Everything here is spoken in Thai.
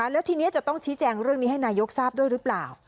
แล้วทีนี้จะต้องชี้แจงเรื่องนี้ให้นายกทราบด้วยหรือเปล่า